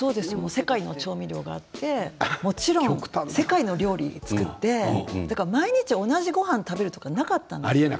世界の調味料があって世界の料理を作って毎日同じごはんを食べるということが、なかった。